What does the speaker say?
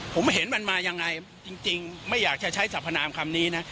ผมเห็นมันมายังไงจริงไม่อยากจะใช้สรรพนามคำนี้นะ